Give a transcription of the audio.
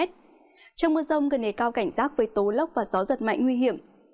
trong mưa rông cần đề cao cảnh giác với tố lốc và gió giật mạnh nguy hiểm